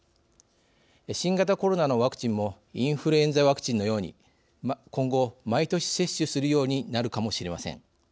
新型コロナのワクチンもインフルエンザワクチンのように今後毎年接種するようになるかもしれません。